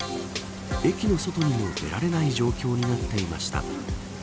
駅の外にも出られない状況になっていました。